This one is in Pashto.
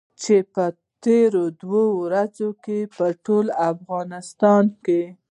چې په تېرو دوو ورځو کې په ټول افغانستان کې.